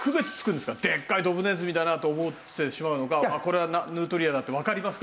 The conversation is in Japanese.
でっかいドブネズミだなと思ってしまうのかこれはヌートリアだってわかりますか？